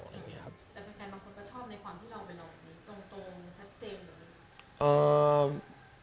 แต่เป็นแบบบางคนก็ชอบในความที่เราเป็นเราแบบนี้ตรงชัดเจน